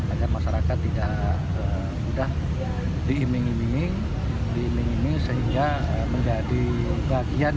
agar masyarakat tidak mudah diiming iming diiming iming sehingga menjadi bagian